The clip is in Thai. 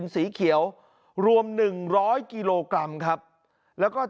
นายสนทยาซึ่งเป็นเครือข่ายค้ายาเสพติด